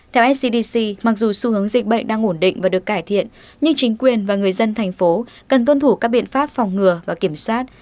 theo scdc mặc dù xu hướng dịch bệnh đang ổn định và được cải thiện nhưng chính quyền và người dân thành phố cần tuân thủ các biện pháp phòng ngừa và kiểm soát